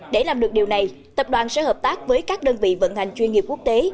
để làm được điều này tập đoàn sẽ hợp tác với các đơn vị vận hành chuyên nghiệp quốc tế